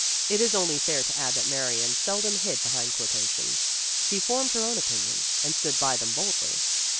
It is only fair to add that Marion sel dom hid behind quotations. She formed her own opinions, and stood by them boldly.